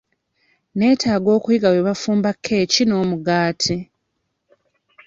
Neetaaga okuyiga bwe bafumba kkeeki n'omugaati.